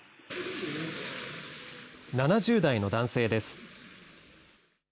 ７０代の男性です。